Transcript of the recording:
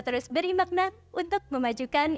terus beri makna untuk memajukan